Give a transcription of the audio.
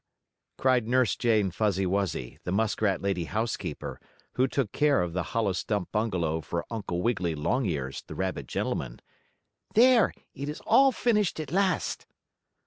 cried Nurse Jane Fuzzy Wuzzy, the muskrat lady housekeeper, who took care of the hollow stump bungalow for Uncle Wiggily Longears, the rabbit gentleman. "There, it is all finished at last!"